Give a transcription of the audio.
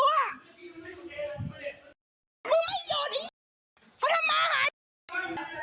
ไม่ดูรึอายุอะ